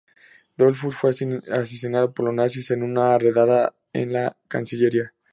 Dollfuss fue asesinado por los nazis en una redada en la cancillería.